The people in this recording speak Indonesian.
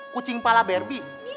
kucing pala berbi